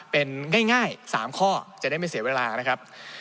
เป็นง่าย๓ข้อจะได้ไม่เสียเวลานะครับ